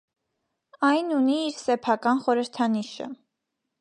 Այն ունի իր սեփական խորհրդանիշը։